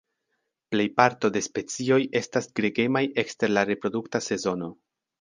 Plejparto de specioj estas gregemaj ekster la reprodukta sezono.